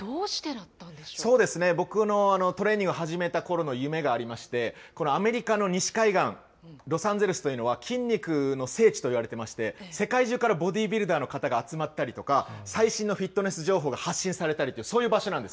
僕、トレーニングを始めたころの夢がありまして、このアメリカの西海岸、ロサンゼルスというのは、筋肉の聖地といわれてまして、世界中からボディビルダーの方が集まったりとか、最新のフィットネス情報が発信されたりと、そういう場所なんです。